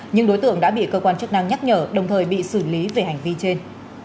nhưng đối tượng đã bị cơ quan chức năng nhắc nhở đồng thời bị xử lý về hành vi trên